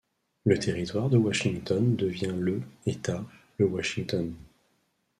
Le Territoire de Washington devient le État, le Washington.